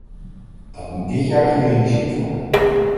Dat moet dit jaar gerealiseerd worden.